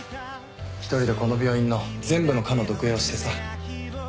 １人でこの病院の全部の科の読影をしてさ